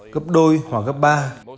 gấp đôi hoặc gấp ba